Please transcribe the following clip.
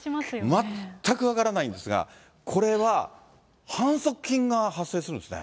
全く分からないんですが、これは反則金が発生するんですね。